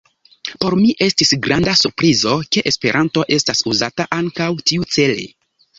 Por mi estis granda surprizo, ke Esperanto estas uzata ankaŭ tiucele.